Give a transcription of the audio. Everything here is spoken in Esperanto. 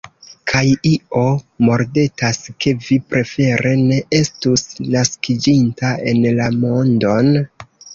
Kaj io mordetas, ke vi prefere ne estus naskiĝinta en la mondon?